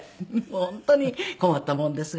本当に困ったもんですが。